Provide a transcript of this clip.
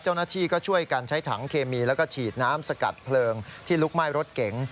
เจ้าหน้าที่ก็ช่วยกันใช้ถังเคมีแล้วก็ฉีดน้ำสกัดเพลิงที่ลุกไหม้รถเก๋ง